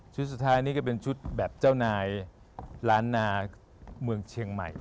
สุดท้ายนี่ก็เป็นชุดแบบเจ้านายล้านนาเมืองเชียงใหม่